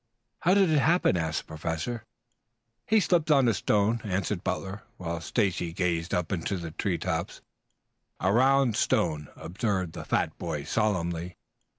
"How did it happen?" asked the Professor. "He slipped on a stone," answered Butler, while Stacy gazed up into the tree tops. "A round stone," observed the fat boy solemnly.